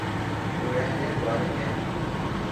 — Күрәһеләр бар икән.